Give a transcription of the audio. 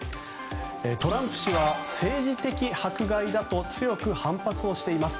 トランプ氏は政治的迫害だと強く反発をしています。